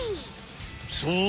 そう。